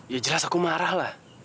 ya jelas aku marah lah